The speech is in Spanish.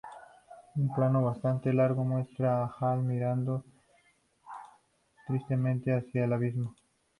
Un plano bastante largo muestra a Hal mirando tristemente hacia el abismo.